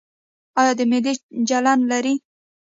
ایا د معدې جلن لرئ؟